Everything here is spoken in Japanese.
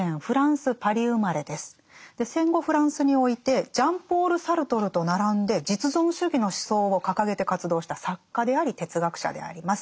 戦後フランスにおいてジャン＝ポール・サルトルと並んで実存主義の思想を掲げて活動した作家であり哲学者であります。